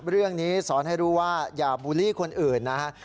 เรื่องนี้สอนให้รู้ว่าอย่าบูลลี่คนอื่นนะฮะ